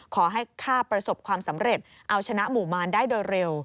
ข้าประสบความสำเร็จเอาชนะหมู่มารได้โดยเร็ว